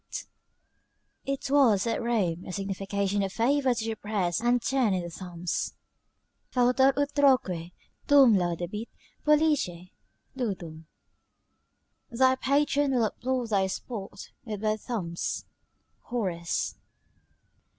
] It was at Rome a signification of favour to depress and turn in the thumbs: "Fautor utroque tuum laudabit pollice ludum:" ["Thy patron will applaud thy sport with both thumbs" Horace.